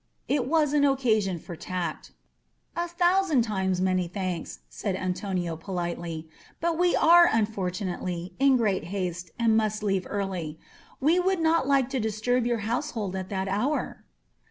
It was an occasion for tact. "A thousand times many thanks," said Antonio po litely, "but we are, unfortunately, in great haste and must leave early. We would not like to disturb your household at that hour."